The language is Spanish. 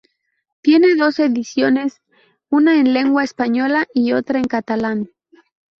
Tiene dos ediciones, una en lengua española y otra en catalán.